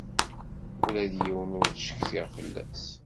Ula d yiwen ur ttcetkiɣ fell-as.